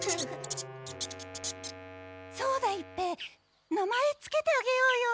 そうだ一平名前つけてあげようよ。